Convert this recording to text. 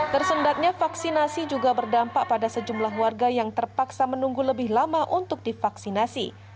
tersendatnya vaksinasi juga berdampak pada sejumlah warga yang terpaksa menunggu lebih lama untuk divaksinasi